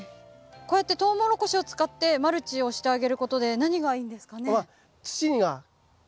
こうやってトウモロコシを使ってマルチをしてあげることで何がいいんですかね？